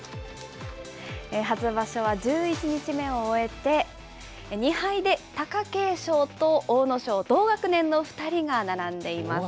初場所は１１日目を終えて、２敗で貴景勝と阿武咲、同学年の２人が並んでいます。